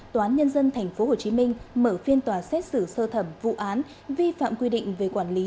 toán nhân dân thành phố hồ chí minh mở phiên tòa xét xử sơ thẩm vụ án vi phạm quy định về quản lý